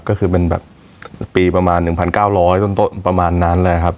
ก็คือเป็นแบบปีประมาณ๑๙๐๐ต้นประมาณนั้นเลยครับ